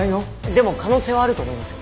でも可能性はあると思いますよ。